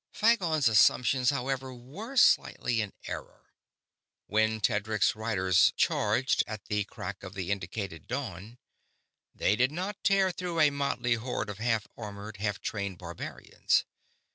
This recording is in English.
Phagon's assumptions, however, were slightly in error. When Tedric's riders charged, at the crack of the indicated dawn, they did not tear through a motley horde of half armored, half trained barbarians.